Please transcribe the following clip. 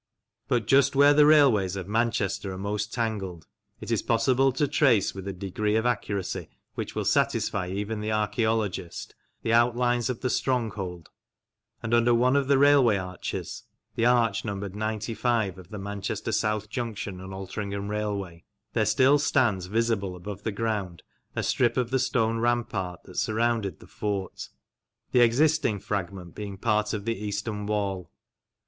But just where the railways of Manchester are most tang led, it is possible to trace, with a degree of accuracy which will satisfy even the archaeologist, the outlines of the stronghold, and under one of the railway arches (the arch numbered 95 of the Manchester South Junction and Altrincham Railway) there still stands visible above ground a strip of the stone rampart that surrounded the fort, the existing fragment being part of the eastern wall.